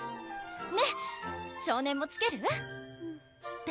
ねぇ少年もつける？って